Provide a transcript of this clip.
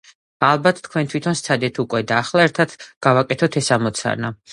ალბათ, თქვენ თვითონ სცადეთ უკვე, და ახლა ერთად გავაკეთოთ ეს ამოცანა.